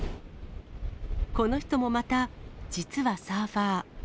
この人もまた、実はサーファー。